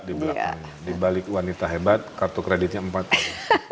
di balik wanita hebat kartu kreditnya empat tahun